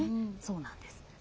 そうなんです。